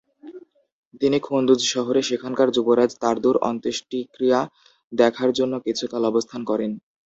তিনি খুন্দুজ শহরে সেখানকার যুবরাজ তার্দুর অন্তুষ্টিক্রিয়া দেখার জন্য কিছুকাল অবস্থান করেন।